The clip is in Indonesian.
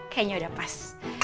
kayaknya udah pas